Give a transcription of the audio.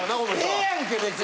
ええやんけ別に。